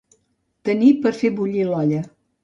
Tenir per a fer bullir l'olla.